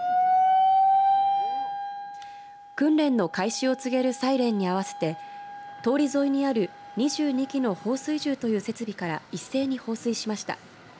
訓練の開始を告げるサイレンに合わせて通り沿いにある２２基の放水銃という設備から一斉に放水しました。